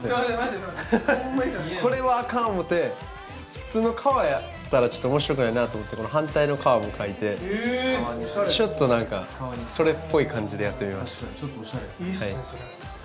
これはアカン思て普通の川やったら面白くないなと思って反対の川をかいてちょっと何かそれっぽい感じでやってみました。